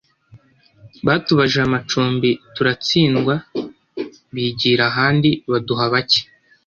batubajije amacumbi turatsindwa bigira ahandi baduha bake